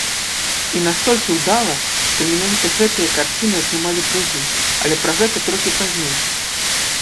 І настолькі ўдала, што менавіта гэтыя карціны атрымалі прызы, але пра гэта трохі пазней.